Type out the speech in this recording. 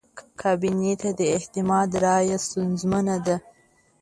کابینې ته د اعتماد رایه ستونزه ده.